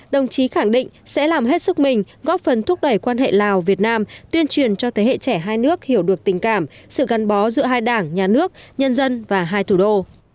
đồng chí khẳng định sẽ làm hết sức mình góp phần thúc đẩy quan hệ lào việt nam tuyên truyền cho thế hệ trẻ hai nước hiểu được tình cảm sự gắn bó giữa hai đảng nhà nước nhân dân và hai thủ đô